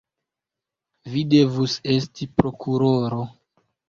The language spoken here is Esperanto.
Vi devus esti prokuroro!